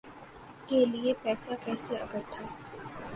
کے لیے پیسہ کیسے اکھٹا